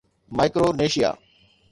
Micronesia